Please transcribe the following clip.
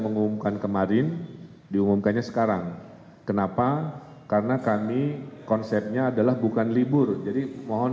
mengumumkan kemarin diumumkannya sekarang kenapa karena kami konsepnya adalah bukan libur jadi mohon